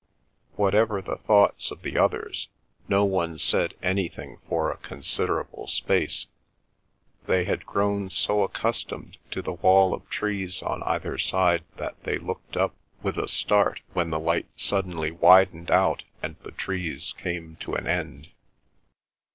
Whatever the thoughts of the others, no one said anything for a considerable space. They had grown so accustomed to the wall of trees on either side that they looked up with a start when the light suddenly widened out and the trees came to an end.